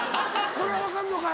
これは分かるのか？